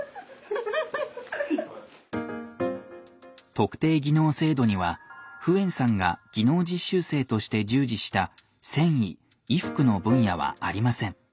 特定技能制度にはフエンさんが技能実習生として従事した繊維・衣服の分野はありません。